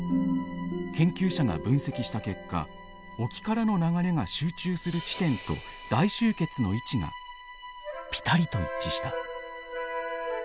研究者が分析した結果沖からの流れが集中する地点と大集結の位置がピタリと一致した。